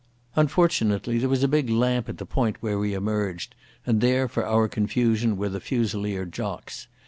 Unfortunately there was a big lamp at the point where we emerged, and there for our confusion were the Fusilier jocks.